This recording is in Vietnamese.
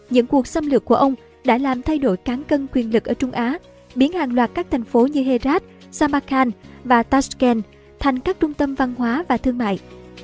những cuộc xâm lược của ông đã làm thay đổi cán cân quyền lực ở trung á biến hàng loạt các thành phố như herat sabakh và tasken thành các trung tâm văn hóa và thương mại